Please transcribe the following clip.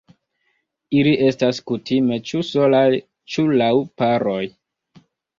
Ili estas kutime ĉu solaj ĉu laŭ paroj.